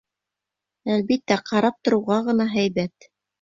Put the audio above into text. Әлбиттә, ҡарап тороуға ғына һәйбәт.